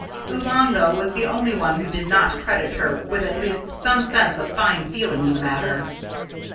Oolanga was the only one who did not credit her with at least some sense of fine feeling in the matter.